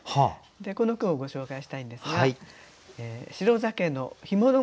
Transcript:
でこの句をご紹介したいんですが。